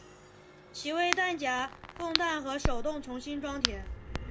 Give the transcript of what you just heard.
其为弹匣供弹和手动重新装填。